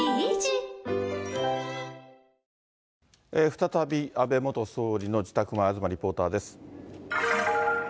再び安倍元総理の自宅前、東リポーターです。